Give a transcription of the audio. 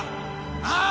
ああ！？